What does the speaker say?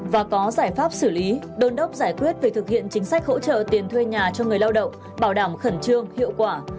và có giải pháp xử lý đôn đốc giải quyết việc thực hiện chính sách hỗ trợ tiền thuê nhà cho người lao động bảo đảm khẩn trương hiệu quả